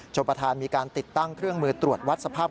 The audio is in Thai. ประธานมีการติดตั้งเครื่องมือตรวจวัดสภาพ